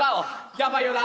やばいよな。